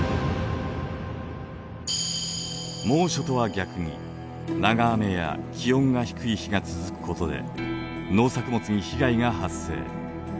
猛暑とは逆に長雨や気温が低い日が続くことで農作物に被害が発生。